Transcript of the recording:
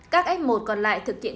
các f một còn lại thực hiện